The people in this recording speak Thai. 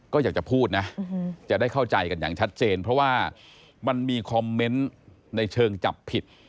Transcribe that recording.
ก็อยากจะพูดนะจะได้เข้าใจกันอย่างชัดเจนเพราะว่ามันมีคอมเมนต์ในเชิงจับผิด